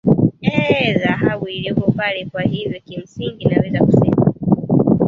eee ee dhahabu iliopo pale kwa hivyo kimsingi naweza kusema